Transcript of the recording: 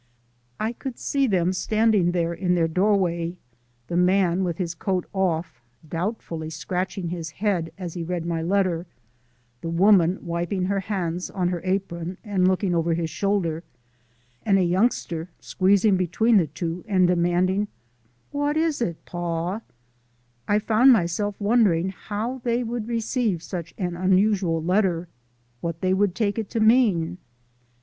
I could see them standing there in their doorway, the man with his coat off, doubtfully scratching his head as he read my letter, the woman wiping her hands on her apron and looking over his shoulder, and a youngster squeezing between the two and demanding, "What is it, Paw?" I found myself wondering how they would receive such an unusual letter, what they would take it to mean.